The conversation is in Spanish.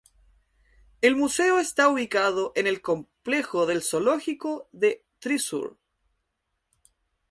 El museo está ubicado en el complejo del zoológico de Thrissur.